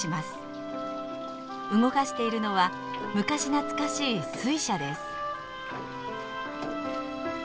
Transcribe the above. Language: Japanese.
動かしているのは昔懐かしい水車です。